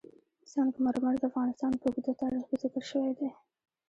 سنگ مرمر د افغانستان په اوږده تاریخ کې ذکر شوی دی.